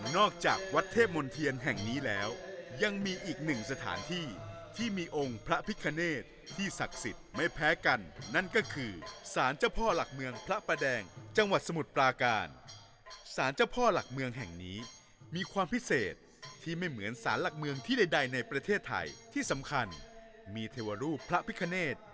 จากวัดเทพมนเทียนแห่งนี้แล้วยังมีอีกหนึ่งสถานที่ที่มีองค์พระพิคเนตที่ศักดิ์สิทธิ์ไม่แพ้กันนั่นก็คือสารเจ้าพ่อหลักเมืองพระประแดงจังหวัดสมุทรปลาการสารเจ้าพ่อหลักเมืองแห่งนี้มีความพิเศษที่ไม่เหมือนสารหลักเมืองที่ใดในประเทศไทยที่สำคัญมีเทวรูปพระพิคเนธ